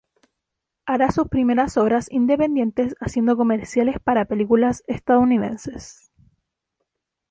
Hará sus primeras obras independientes haciendo comerciales para películas estadounidenses.